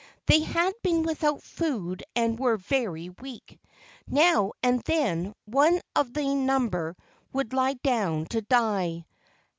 They had been without food and were very weak. Now and then one of the num¬ ber would lie down to die.